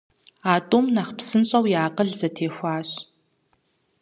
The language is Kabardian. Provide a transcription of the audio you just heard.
А тӏум нэхъ псынщӀэу я акъыл зэтехуащ.